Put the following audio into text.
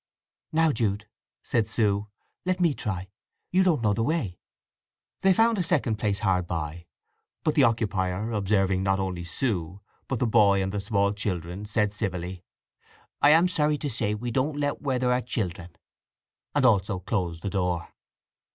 "Now, Jude," said Sue, "let me try. You don't know the way." They found a second place hard by; but here the occupier, observing not only Sue, but the boy and the small children, said civilly, "I am sorry to say we don't let where there are children"; and also closed the door.